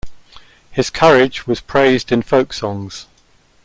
His courage was praised in folk songs.